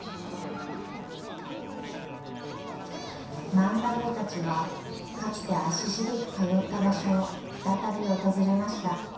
万太郎たちはかつて足しげく通った場所を再び訪れました。